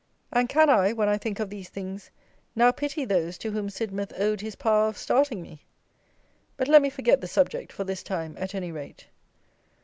And, can I, when I think of these things, now, pity those to whom Sidmouth owed his power of starting me! But let me forget the subject for this time at any rate.